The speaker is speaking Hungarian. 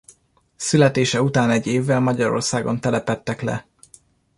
Születése után egy évvel Magyarországon telepedtek le.